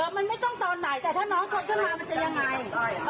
บอกเขี่ยวหน้ามาจะยังไง